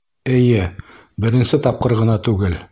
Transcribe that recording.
— Эйе, беренсе тапҡыр ғына түгел.